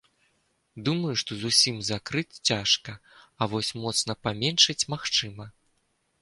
Думаю, што зусім закрыць цяжка, а вось моцна паменшыць магчыма.